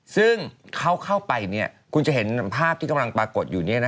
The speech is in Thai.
ซึ่งเขาเข้าไปคุณจะเห็นภาพที่กำลังปรากฏอยู่